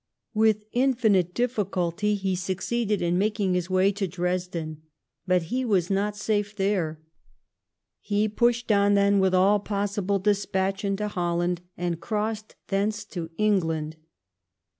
With infinite difficulty he succeeded in making his way to Dresden. But he was not safe there. He pushed on, then, with all possible despatch into Holland, and crossed thence to England.